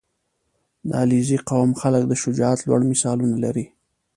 • د علیزي قوم خلک د شجاعت لوړ مثالونه لري.